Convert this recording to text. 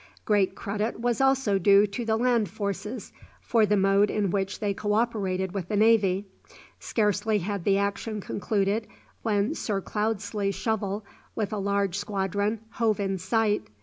Great credit was also due to the land forces, for the mode in which they co operated with the navy. Scarcely had the action concluded, when Sir Cloudesley Shovel with a large squadron hove in sight.